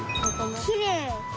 きれい！